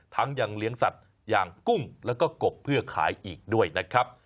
ยังเลี้ยงสัตว์อย่างกุ้งแล้วก็กบเพื่อขายอีกด้วยนะครับ